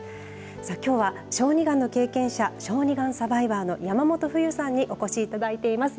きょうは小児がんの経験者、小児がんサバイバーの山本芙優さんにお越しいただいています。